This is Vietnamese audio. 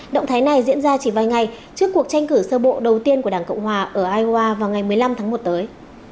động thái này diễn ra chỉ vài ngày trước cuộc tranh cử sơ bộ đầu tiên của đảng cộng hòa ở iowa vào ngày một mươi năm tháng một tới